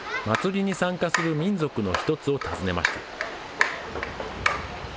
祭りに参加する民族の一つを訪ねました。